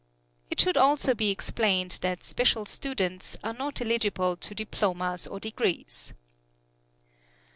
It should also be explained that special students are not eligible to diplomas or degrees.